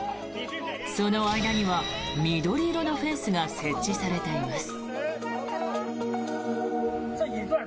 その間には緑色のフェンスが設置されています。